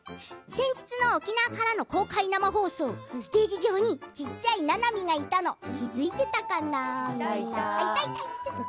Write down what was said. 先日の沖縄からの公開生放送ステージ上に小っちゃい、ななみがいたの気付いてくれたかな？